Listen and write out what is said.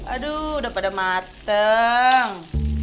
aduh udah pada mateng